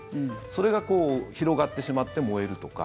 それが広がってしまって燃えるとか。